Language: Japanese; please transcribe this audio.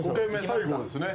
最後ですね。